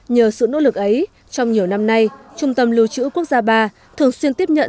nhờ sự nỗ lực ấy trong nhiều năm nay trung tâm lưu trữ quốc gia ba thường xuyên tiếp nhận